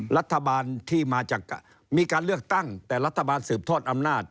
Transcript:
รัฐบาลที่มาจากการเลือกตั้งแต่รัฐบาลสืบทอดอำนาจ